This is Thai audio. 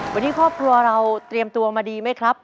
วันนี้ครอบครัวเราเตรียมตัวมาดีไหมครับ